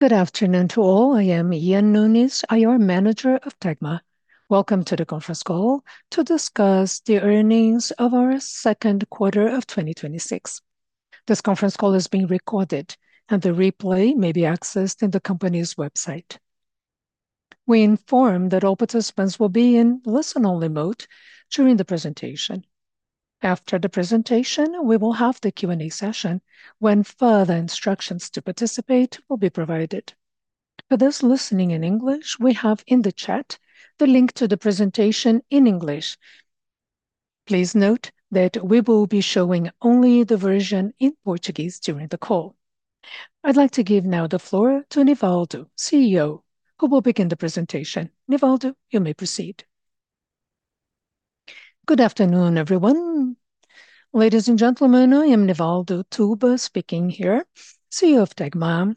Good afternoon to all. I am Ian Nunes, IR Manager of Tegma. Welcome to the conference call to discuss the earnings of our second quarter of 2026. This conference call is being recorded, and the replay may be accessed on the company's website. We inform that all participants will be in listen-only mode during the presentation. After the presentation, we will have the Q&A session when further instructions to participate will be provided. For those listening in English, we have in the chat the link to the presentation in English. Please note that we will be showing only the version in Portuguese during the call. I'd like to give now the floor to Nivaldo, CEO, who will begin the presentation. Nivaldo, you may proceed. Good afternoon, everyone. Ladies and gentlemen, I am Nivaldo Tuba speaking here, CEO of Tegma,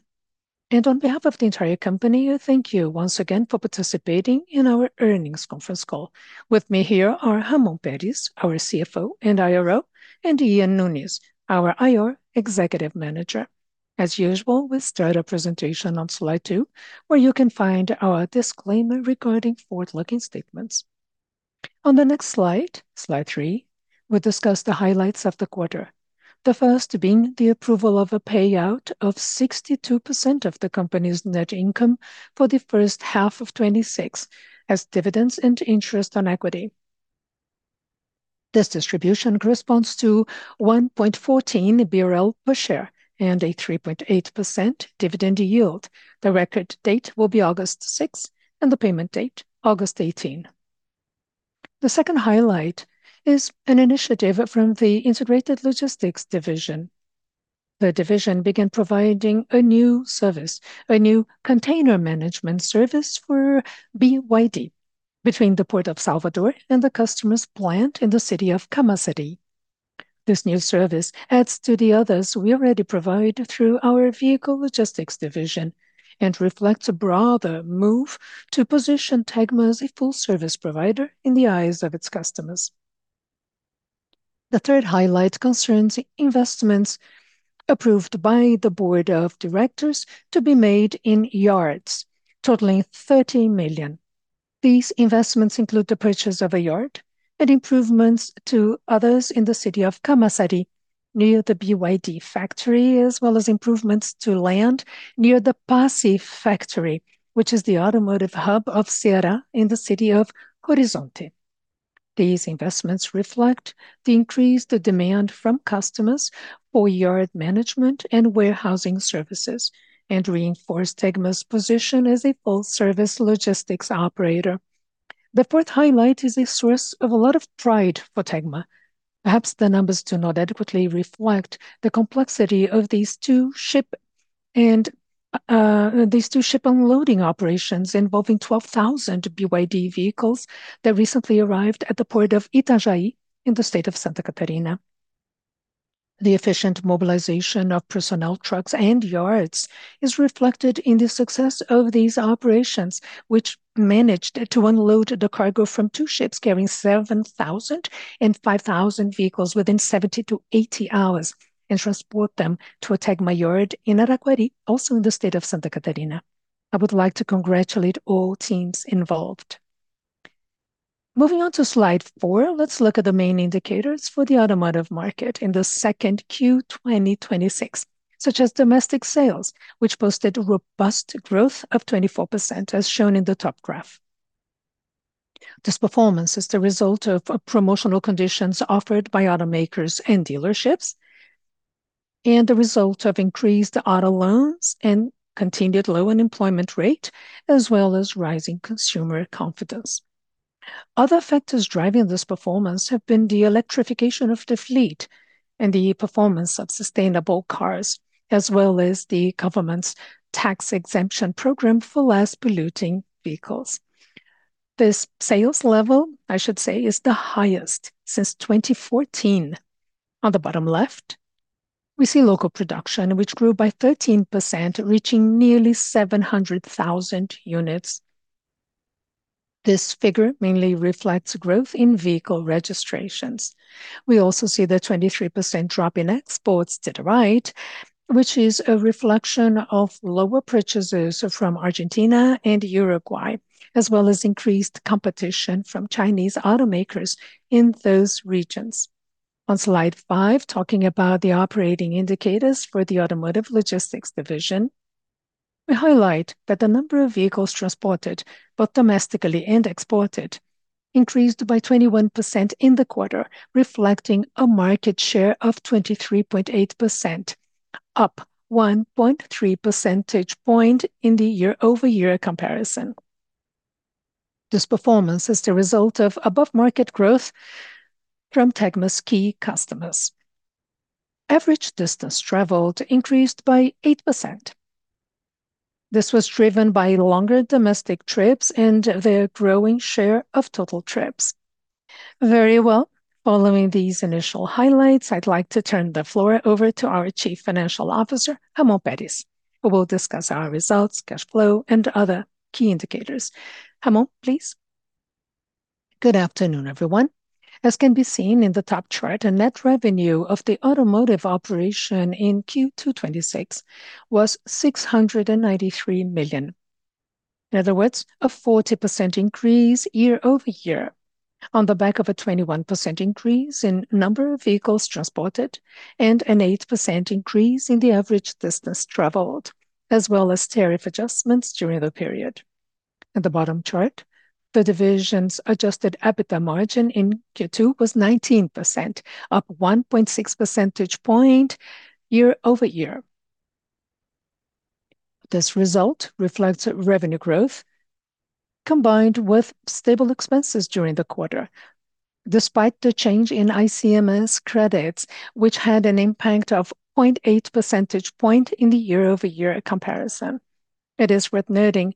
and on behalf of the entire company, I thank you once again for participating in our earnings conference call. With me here are Ramón Pérez, our CFO and IRO, and Ian Nunes, our IR Executive Manager. As usual, we'll start our presentation on slide two, where you can find our disclaimer regarding forward-looking statements. On the next slide three, we'll discuss the highlights of the quarter. The first being the approval of a payout of 62% of the company's net income for the first half of 2026 as dividends and interest on equity. This distribution corresponds to 1.14 BRL per share and a 3.8% dividend yield. The record date will be August 6th and the payment date August 18th. The second highlight is an initiative from the Integrated Logistics Division. The division began providing a new service, a new container management service for BYD between the Port of Salvador and the customer's plant in the city of Camaçari. This new service adds to the others we already provide through our Vehicle Logistics Division and reflects a broader move to position Tegma as a full-service provider in the eyes of its customers. The third highlight concerns investments approved by the Board of Directors to be made in yards, totaling 30 million. These investments include the purchase of a yard and improvements to others in the city of Camaçari, near the BYD factory, as well as improvements to land near the Pecém factory, which is the automotive hub of Ceará in the city of Horizonte. These investments reflect the increased demand from customers for yard management and warehousing services and reinforce Tegma's position as a full-service logistics operator. The fourth highlight is a source of a lot of pride for Tegma. Perhaps the numbers do not adequately reflect the complexity of these two ship unloading operations involving 12,000 BYD vehicles that recently arrived at the Port of Itajaí in the state of Santa Catarina. The efficient mobilization of personnel, trucks, and yards is reflected in the success of these operations, which managed to unload the cargo from two ships carrying 7,000 and 5,000 vehicles within 70-80 hours and transport them to a Tegma yard in Araquari, also in the state of Santa Catarina. I would like to congratulate all teams involved. Moving on to slide four, let's look at the main indicators for the automotive market in the second Q 2026, such as domestic sales, which posted robust growth of 24%, as shown in the top graph. This performance is the result of promotional conditions offered by automakers and dealerships and the result of increased auto loans and continued low unemployment rate, as well as rising consumer confidence. Other factors driving this performance have been the electrification of the fleet and the performance of sustainable cars, as well as the government's tax exemption program for less polluting vehicles. This sales level, I should say, is the highest since 2014. On the bottom left, we see local production, which grew by 13%, reaching nearly 700,000 units. This figure mainly reflects growth in vehicle registrations. We also see the 23% drop in exports to the right, which is a reflection of lower purchases from Argentina and Uruguay, as well as increased competition from Chinese automakers in those regions. On slide five, talking about the operating indicators for the Automotive Logistics Division, we highlight that the number of vehicles transported, both domestically and exported, increased by 21% in the quarter, reflecting a market share of 23.8%, up 1.3 percentage point in the year-over-year comparison. This performance is the result of above-market growth from Tegma's key customers. Average distance traveled increased by 8%. This was driven by longer domestic trips and their growing share of total trips. Very well. Following these initial highlights, I'd like to turn the floor over to our Chief Financial Officer, Ramón Pérez, who will discuss our results, cash flow, and other key indicators. Ramón, please. Good afternoon, everyone. As can be seen in the top chart, the net revenue of the automotive operation in Q2 2026 was 693 million. In other words, a 40% increase year-over-year on the back of a 21% increase in number of vehicles transported and an 8% increase in the average distance traveled, as well as tariff adjustments during the period. In the bottom chart, the division's adjusted EBITDA margin in Q2 was 19%, up 1.6 percentage point year-over-year. This result reflects revenue growth combined with stable expenses during the quarter, despite the change in ICMS credits, which had an impact of 0.8 percentage point in the year-over-year comparison. It is worth noting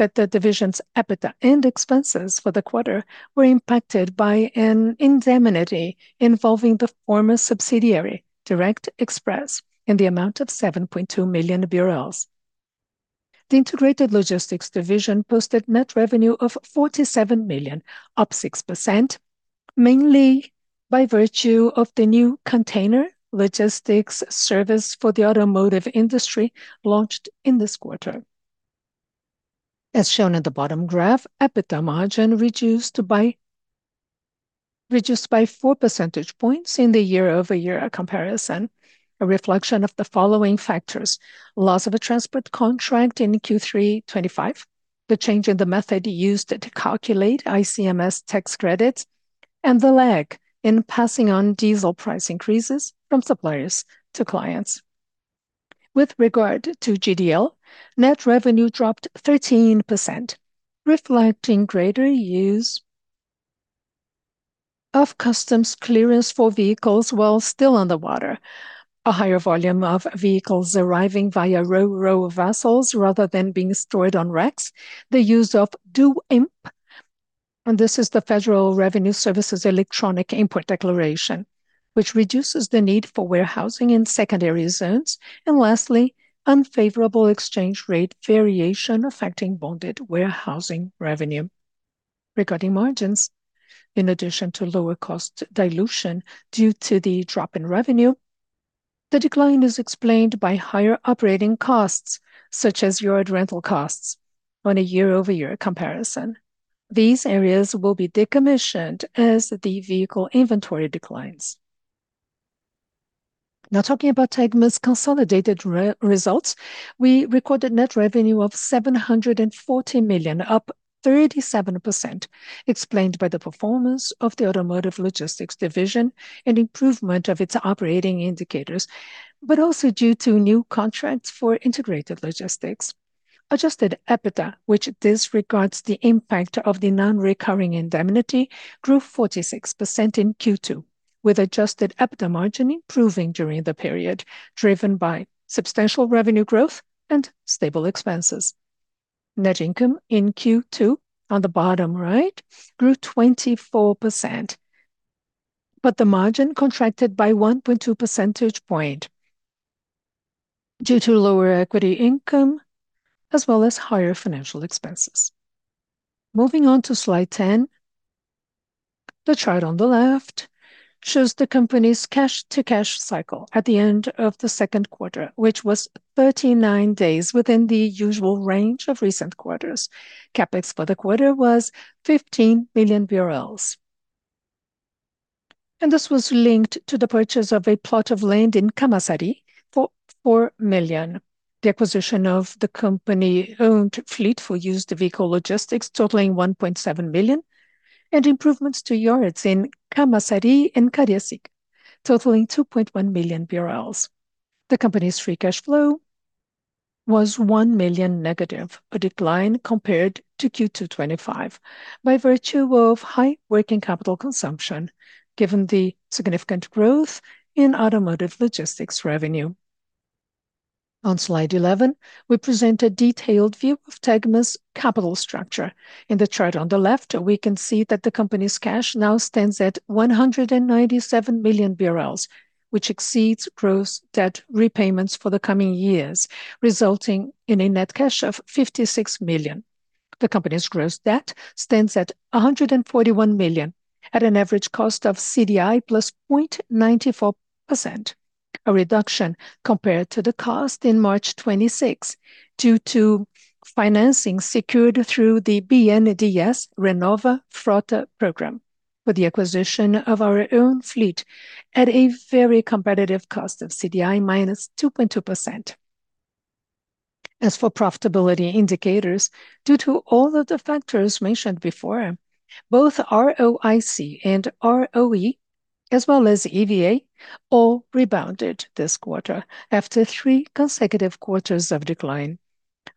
that the division's EBITDA and expenses for the quarter were impacted by an indemnity involving the former subsidiary, Direct Express, in the amount of 7.2 million BRL. The Integrated Logistics Division posted net revenue of 47 million, up 6%, mainly by virtue of the new container logistics service for the automotive industry launched in this quarter. As shown in the bottom graph, EBITDA margin reduced by 4 percentage points in the year-over-year comparison, a reflection of the following factors: loss of a transport contract in Q3 2025, the change in the method used to calculate ICMS tax credits, and the lag in passing on diesel price increases from suppliers to clients. With regard to GDL, net revenue dropped 13%, reflecting greater use of customs clearance for vehicles while still on the water, a higher volume of vehicles arriving via Ro-Ro vessels rather than being stored on racks, the use of DUIMP, and this is the Federal Revenue Service's electronic import declaration, which reduces the need for warehousing in secondary zones, and lastly, unfavorable exchange rate variation affecting bonded warehousing revenue. Regarding margins, in addition to lower cost dilution due to the drop in revenue, the decline is explained by higher operating costs, such as yard rental costs on a year-over-year comparison. These areas will be decommissioned as the vehicle inventory declines. Now, talking about Tegma's consolidated results, we recorded net revenue of 740 million, up 37%, explained by the performance of the Automotive Logistics Division and improvement of its operating indicators, but also due to new contracts for integrated logistics. Adjusted EBITDA, which disregards the impact of the non-recurring indemnity, grew 46% in Q2, with adjusted EBITDA margin improving during the period, driven by substantial revenue growth and stable expenses. Net income in Q2, on the bottom right, grew 24%, but the margin contracted by 1.2 percentage point due to lower equity income, as well as higher financial expenses. Moving on to slide 10, the chart on the left shows the company's cash-to-cash cycle at the end of the second quarter, which was 39 days within the usual range of recent quarters. CapEx for the quarter was BRL 15 million, and this was linked to the purchase of a plot of land in Camaçari for 4 million. The acquisition of the company-owned fleet for used vehicle logistics totaling 1.7 million, and improvements to yards in Camaçari and Cariacica totaling 2.1 million BRL. The company's free cash flow was 1 million negative, a decline compared to Q2 2025 by virtue of high working capital consumption given the significant growth in automotive logistics revenue. On slide 11, we present a detailed view of Tegma's capital structure. In the chart on the left, we can see that the company's cash now stands at 197 million BRL, which exceeds gross debt repayments for the coming years, resulting in a net cash of 56 million. The company's gross debt stands at 141 million at an average cost of CDI+ 0.94%, a reduction compared to the cost in March 2026 due to financing secured through the BNDES Renova Frota Program for the acquisition of our own fleet at a very competitive cost of CDI- 2.2%. As for profitability indicators, due to all of the factors mentioned before, both ROIC and ROE, as well as EVA, all rebounded this quarter after three consecutive quarters of decline.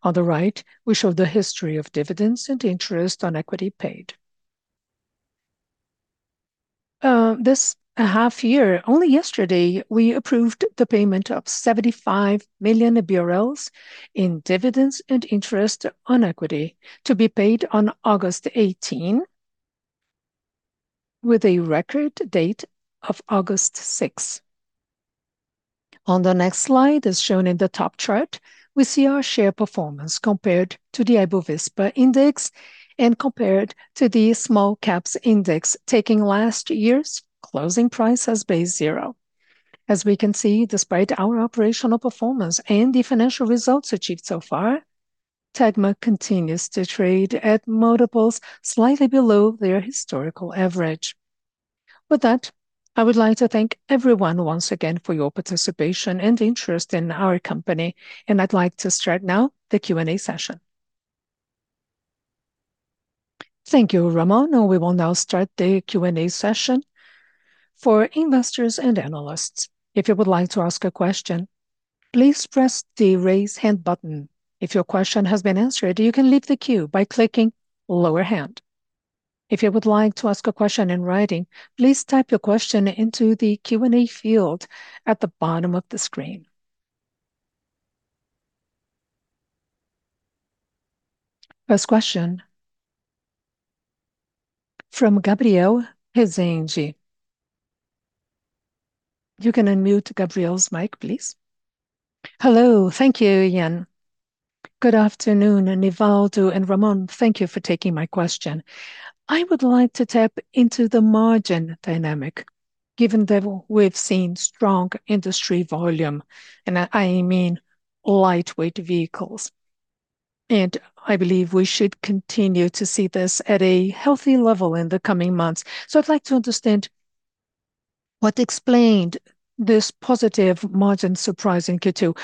On the right, we show the history of dividends and interest on equity paid. This half year, only yesterday, we approved the payment of BRL 75 million in dividends and interest on equity to be paid on August 18 with a record date of August 6. On the next slide, as shown in the top chart, we see our share performance compared to the Ibovespa index and compared to the Small Caps index, taking last year's closing price as base zero. As we can see, despite our operational performance and the financial results achieved so far, Tegma continues to trade at multiples slightly below their historical average. With that, I would like to thank everyone once again for your participation and interest in our company, and I'd like to start now the Q&A session. Thank you, Ramón. We will now start the Q&A session for investors and analysts. If you would like to ask a question, please press the Raise Hand button. If your question has been answered, you can leave the queue by clicking Lower Hand. If you would like to ask a question in writing, please type your question into the Q&A field at the bottom of the screen. First question from Gabriel Rezende. You can unmute Gabriel's mic, please. Hello. Thank you, Ian. Good afternoon, Nivaldo and Ramón. Thank you for taking my question. I would like to tap into the margin dynamic given that we've seen strong industry volume, I mean lightweight vehicles. I believe we should continue to see this at a healthy level in the coming months. I'd like to understand what explained this positive margin surprise in Q2.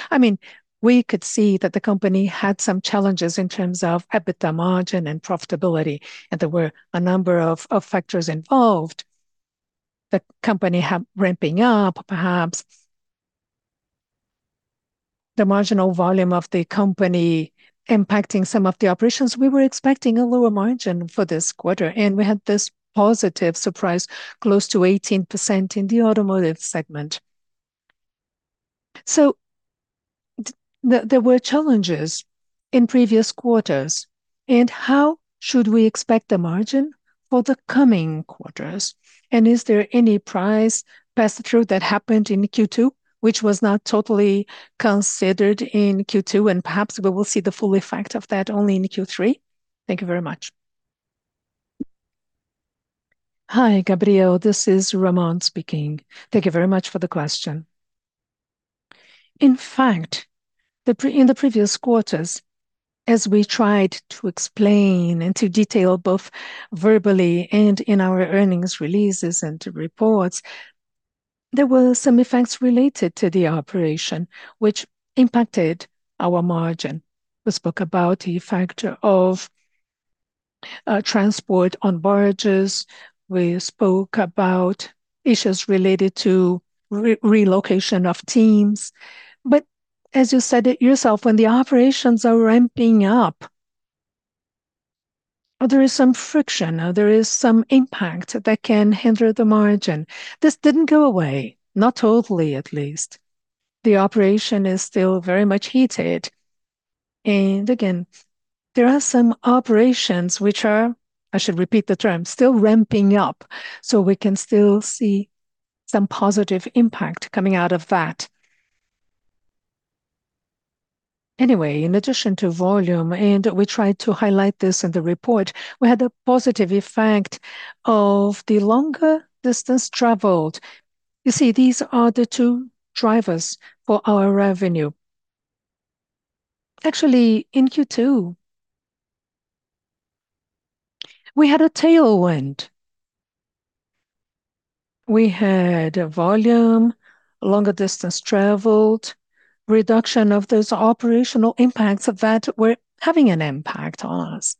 We could see that the company had some challenges in terms of EBITDA margin and profitability. There were a number of factors involved. The company had ramping up, perhaps the marginal volume of the company impacting some of the operations. We were expecting a lower margin for this quarter. We had this positive surprise, close to 18%, in the automotive segment. There were challenges in previous quarters. How should we expect the margin for the coming quarters? Is there any price pass-through that happened in Q2 which was not totally considered in Q2? Perhaps we will see the full effect of that only in Q3? Thank you very much. Hi, Gabriel. This is Ramón speaking. Thank you very much for the question. In fact, in the previous quarters, as we tried to explain to detail both verbally and in our earnings releases and reports, there were some effects related to the operation which impacted our margin. We spoke about the factor of transport on barges. We spoke about issues related to relocation of teams. As you said it yourself, when the operations are ramping up, there is some friction, there is some impact that can hinder the margin. This didn't go away, not totally at least. The operation is still very much heated. Again, there are some operations which are, I should repeat the term, still ramping up. We can still see some positive impact coming out of that. Anyway, in addition to volume, we tried to highlight this in the report, we had a positive effect of the longer distance traveled. You see, these are the two drivers for our revenue. Actually, in Q2, we had a tailwind. We had volume, longer distance traveled, reduction of those operational impacts that were having an impact on us.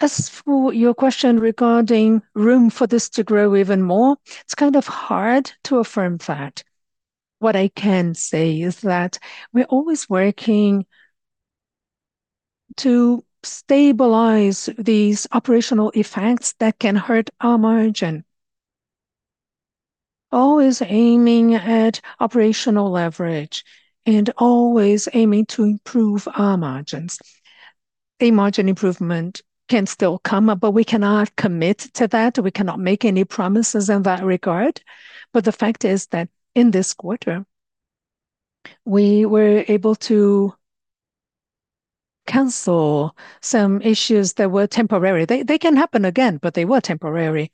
As for your question regarding room for this to grow even more, it's kind of hard to affirm that. What I can say is that we're always working to stabilize these operational effects that can hurt our margin, always aiming at operational leverage, always aiming to improve our margins. A margin improvement can still come up. We cannot commit to that. We cannot make any promises in that regard. The fact is that in this quarter, we were able to cancel some issues that were temporary. They can happen again. They were temporary.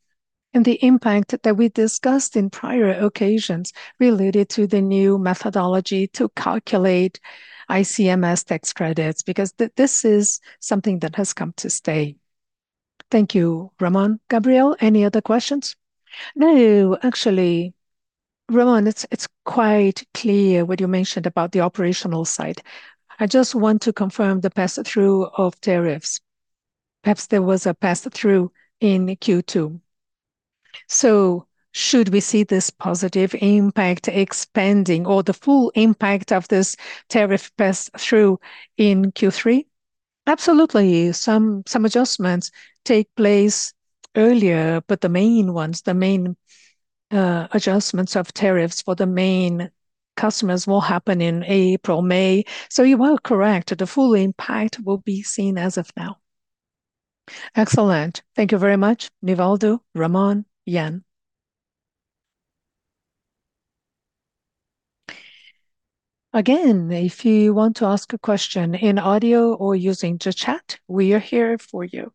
The impact that we discussed in prior occasions related to the new methodology to calculate ICMS tax credits, because this is something that has come to stay. Thank you, Ramón. Gabriel, any other questions? No. Actually, Ramón, it's quite clear what you mentioned about the operational side. I just want to confirm the pass-through of tariffs. Perhaps there was a pass-through in Q2. Should we see this positive impact expanding or the full impact of this tariff pass-through in Q3? Absolutely. Some adjustments take place earlier, but the main adjustments of tariffs for the main customers will happen in April, May. You are correct. The full impact will be seen as of now. Excellent. Thank you very much, Nivaldo, Ramón, Ian. Again, if you want to ask a question in audio or using the chat, we are here for you.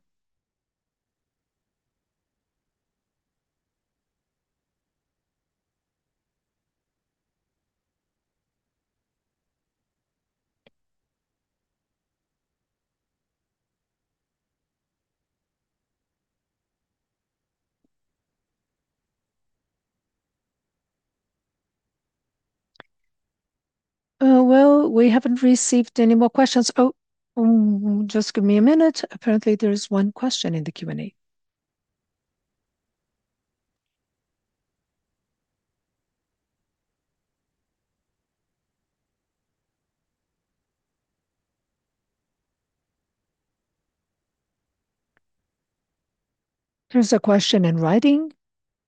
We haven't received any more questions. Just give me a minute. Apparently, there is one question in the Q&A. Here's a question in writing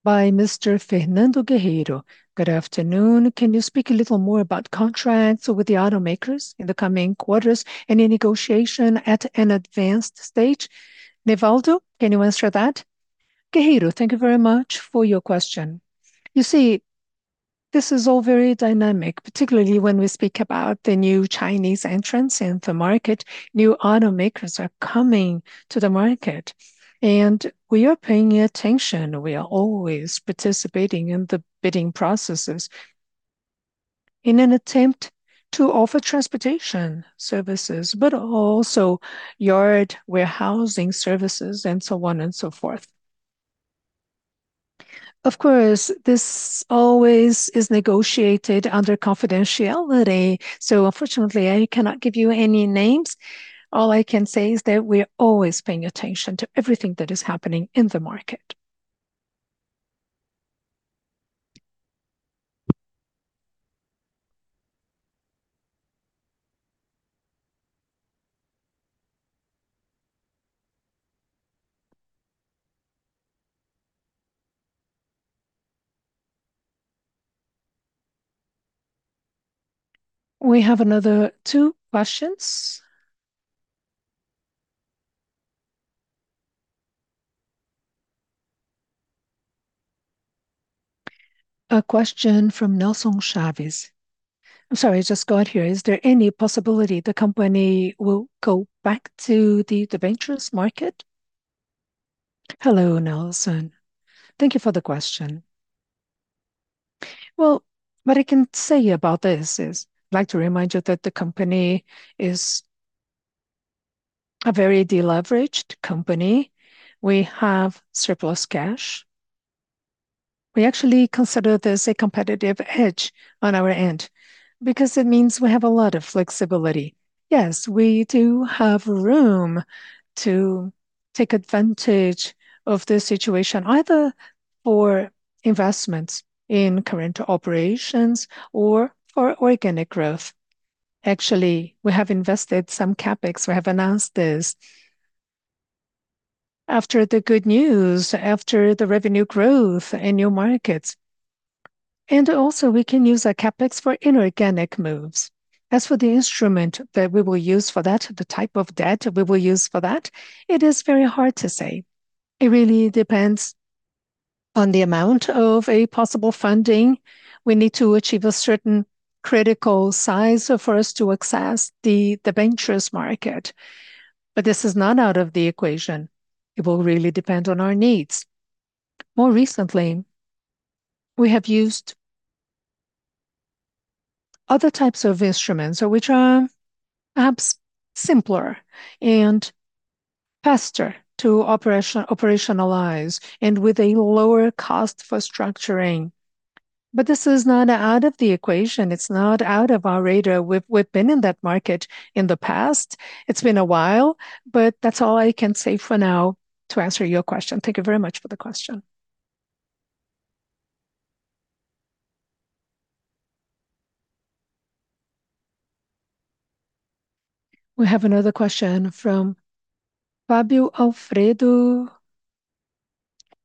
by Mr. Fernando Guerrero. "Good afternoon. Can you speak a little more about contracts with the automakers in the coming quarters? Any negotiation at an advanced stage?" Nivaldo, can you answer that? Guerrero, thank you very much for your question. This is all very dynamic, particularly when we speak about the new Chinese entrants in the market. New automakers are coming to the market, and we are paying attention. We are always participating in the bidding processes in an attempt to offer transportation services, but also yard warehousing services and so on and so forth. This always is negotiated under confidentiality. Unfortunately, I cannot give you any names. All I can say is that we're always paying attention to everything that is happening in the market. We have another two questions. A question from Nelson Chaves. I'm sorry, it just got here. "Is there any possibility the company will go back to the debentures market?" Hello, Nelson. Thank you for the question. What I can say about this is, I'd like to remind you that the company is a very de-leveraged company. We have surplus cash. We actually consider this a competitive edge on our end because it means we have a lot of flexibility. Yes, we do have room to take advantage of the situation, either for investments in current operations or for organic growth. Actually, we have invested some CapEx. We have announced this after the good news, after the revenue growth in new markets. Also, we can use our CapEx for inorganic moves. As for the instrument that we will use for that, it is very hard to say. It really depends on the amount of a possible funding. We need to achieve a certain critical size for us to access the debentures market. This is not out of the equation. It will really depend on our needs. More recently, we have used other types of instruments which are perhaps simpler and faster to operationalize and with a lower cost for structuring. This is not out of the equation. It's not out of our radar. We've been in that market in the past. It's been a while. That's all I can say for now to answer your question. Thank you very much for the question. We have another question from Fabio Alfredo.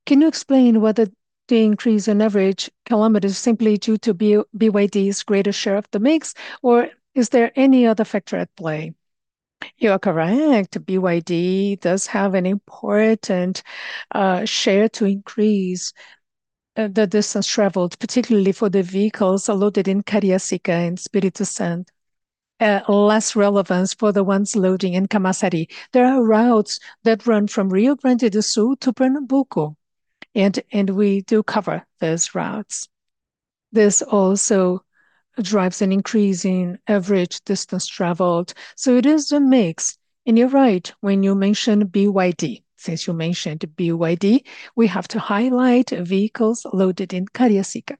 "Can you explain whether the increase in average kilometers is simply due to BYD's greater share of the mix, or is there any other factor at play?" You are correct. BYD does have an important share to increase the distance traveled, particularly for the vehicles loaded in Cariacica, in Espírito Santo. Less relevance for the ones loading in Camaçari. There are routes that run from Rio Grande do Sul to Pernambuco, and we do cover those routes. This also drives an increase in average distance traveled, so it is the mix. You're right when you mention BYD. Since you mentioned BYD, we have to highlight vehicles loaded in Cariacica.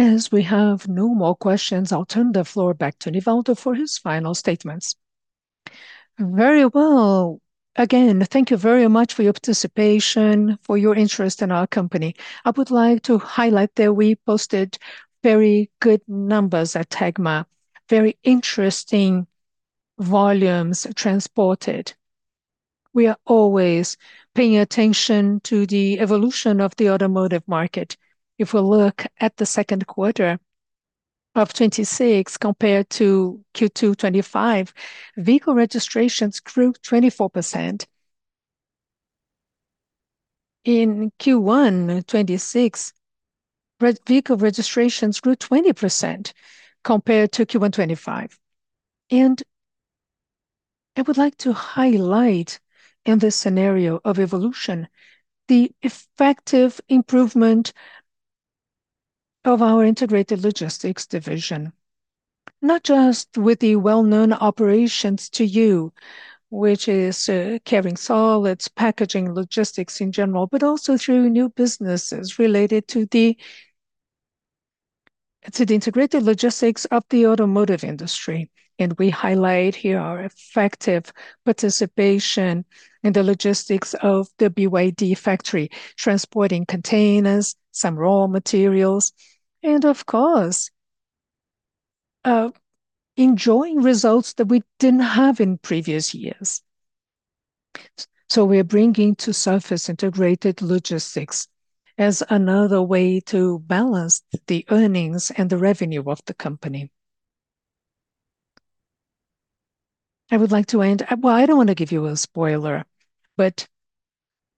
As we have no more questions, I'll turn the floor back to Nivaldo for his final statements. Very well. Again, thank you very much for your participation, for your interest in our company. I would like to highlight that we posted very good numbers at Tegma, very interesting volumes transported. We are always paying attention to the evolution of the automotive market. If we look at the second quarter of 2026 compared to Q2 2025, vehicle registrations grew 24%. In Q1 2026, vehicle registrations grew 20% compared to Q1 2025. I would like to highlight in this scenario of evolution, the effective improvement of our Integrated Logistics Division, not just with the well-known operations to you, which is carrying solids, packaging, logistics in general, but also through new businesses related to the integrated logistics of the automotive industry. We highlight here our effective participation in the logistics of the BYD factory, transporting containers, some raw materials, and of course, enjoying results that we didn't have in previous years. We're bringing to surface integrated logistics as another way to balance the earnings and the revenue of the company. I would like to end. I don't want to give you a spoiler, but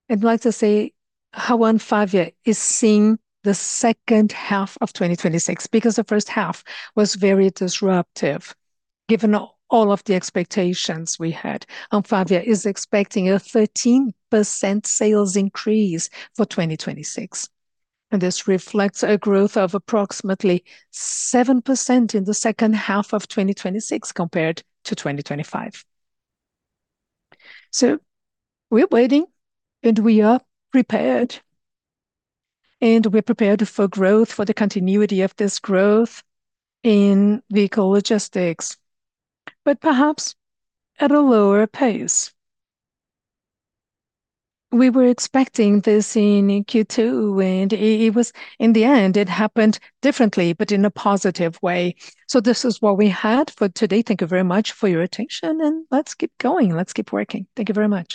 I'd like to say how ANFAVEA is seeing the second half of 2026, because the first half was very disruptive, given all of the expectations we had. ANFAVEA is expecting a 13% sales increase for 2026, and this reflects a growth of approximately 7% in the second half of 2026 compared to 2025. We're waiting and we are prepared, and we're prepared for growth, for the continuity of this growth in vehicle logistics, but perhaps at a lower pace. We were expecting this in Q2, and in the end, it happened differently, but in a positive way. This is what we had for today. Thank you very much for your attention. Let's keep going. Let's keep working. Thank you very much.